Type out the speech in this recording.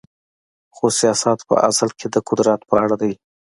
خو سیاست په اصل کې د قدرت په اړه دی.